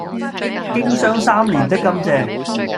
經霜三年的甘蔗，